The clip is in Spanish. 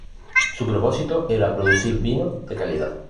Su propósito era producir vino de calidad.